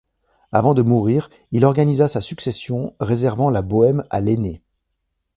Avant de mourir il organisa sa succession réservant la Bohême à l'aîné.